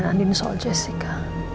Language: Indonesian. jadi horror begini